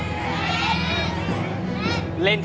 ครับมีแฟนเขาเรียกร้อง